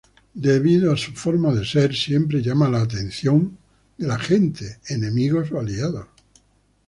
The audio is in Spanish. Debido a su forma de ser siempre llama la atención gente, enemigos o aliados.